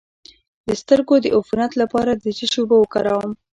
د سترګو د عفونت لپاره د څه شي اوبه وکاروم؟